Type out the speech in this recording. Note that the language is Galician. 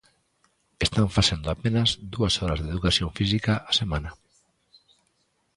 Están facendo apenas dúas horas de Educación Física á semana.